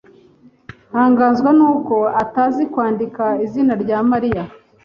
Ntangazwa nuko atazi kwandika izina rya Mariya.